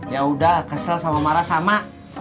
yaudah kesel sama marah sama